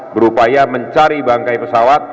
berupaya mencari bangkai pesawat